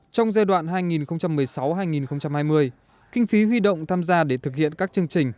trong giai đoạn hai nghìn một mươi sáu hai nghìn hai mươi kinh phí huy động tham gia để thực hiện các chương trình